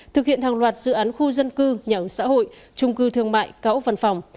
thực hiện hàng loạt dự án khu dân cư nhà ứng xã hội trung cư thương mại cáo ốc văn phòng